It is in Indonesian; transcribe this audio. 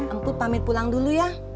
empuk pamit pulang dulu ya